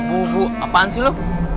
bawa bubuk apaan sih lo